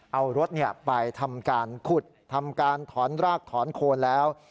เอารถไปทำการขุดทำการถอนรากถอนโคนแล้ว